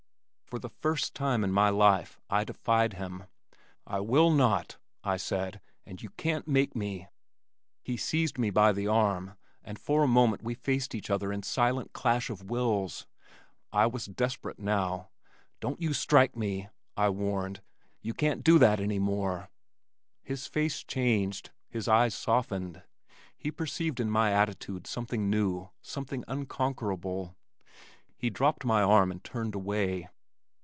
For the first time in my life I defied him. "I will not," I said. "And you can't make me." He seized me by the arm and for a moment we faced each other in silent clash of wills. I was desperate now. "Don't you strike me," I warned. "You can't do that any more." His face changed. His eyes softened. He perceived in my attitude something new, something unconquerable. He dropped my arm and turned away.